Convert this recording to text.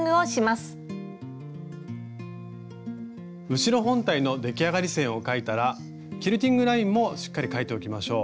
後ろ本体の出来上がり線を描いたらキルティングラインもしっかり描いておきましょう。